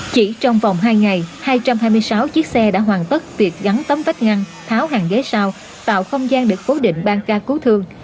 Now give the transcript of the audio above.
chỉ trong vòng hai ngày hai trăm hai mươi sáu chiếc xe đã hoàn tất việc gắn tấm vách ngăn tháo hàng ghế sao tạo không gian để cố định bang ca cứu thương